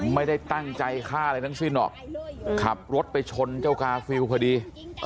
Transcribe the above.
ไม่ได้ตั้งใจฆ่าอะไรทั้งสิ้นหรอกขับรถไปชนเจ้ากาฟิลพอดี